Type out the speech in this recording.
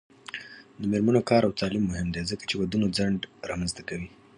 د میرمنو کار او تعلیم مهم دی ځکه چې ودونو ځنډ رامنځته کوي.